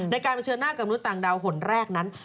การเผชิญหน้ากับมนุษย์ต่างดาวหนแรกนั้น